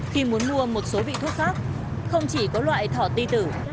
khi muốn mua một số vị thuốc khác không chỉ có loại thỏ ti tử